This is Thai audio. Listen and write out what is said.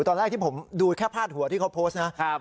ตอนแรกที่ผมดูแค่พาดหัวที่เขาโพสต์นะครับ